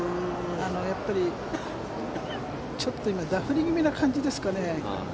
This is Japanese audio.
やっぱりちょっと今ダフり気味の感じですかね。